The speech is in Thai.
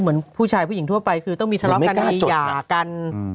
เหมือนผู้ชายผู้หญิงทั่วไปคือต้องมีทะเลาะกันมีหย่ากัน